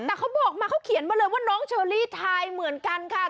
แต่เขาบอกมาเขาเขียนมาเลยว่าน้องเชอรี่ทายเหมือนกันค่ะ